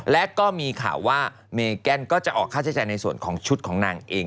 และก็มีข่าวว่าเมแกนก็จะออกค่าใช้จ่ายในส่วนของชุดของนางเอง